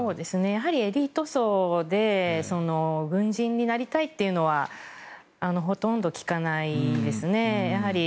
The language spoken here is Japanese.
やはりエリート層で軍人になりたいというのはほとんど聞かないですね。